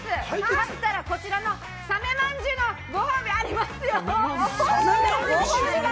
勝ったらこのサメまんじゅうのご褒美があります。